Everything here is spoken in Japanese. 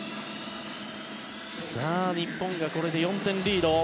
日本がこれで４点リード。